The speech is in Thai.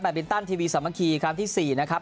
บินตันทีวีสามัคคีครั้งที่๔นะครับ